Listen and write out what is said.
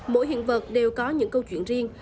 mỗi hiện vật đều có những câu chuyện riêng